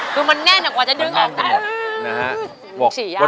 คือมันแน่นกว่าจะดึงอ่ะ